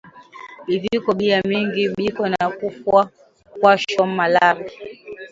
Biviko bia mingi biko na kufwa kwasho malari